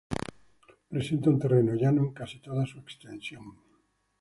Presenta un terreno llano en casi toda su extensión.